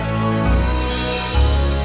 selamat malam ray